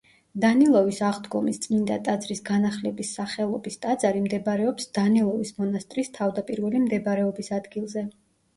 დანილოვის აღდგომის წმინდა ტაძრის განახლების სახელობის ტაძარი მდებარეობს დანილოვის მონასტრის თავდაპირველი მდებარეობის ადგილზე.